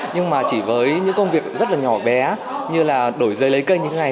nhưng mà chỉ với những công việc rất là nhỏ bé như là đổi giấy lấy cây như thế này